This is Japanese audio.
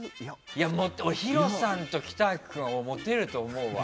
俺、弘さんと北脇君はモテると思うわ。